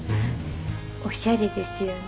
おしゃれですよね。